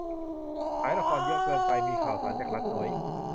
ฉายละครเยอะเกินไป มีข่าวสารจากรัฐน้อย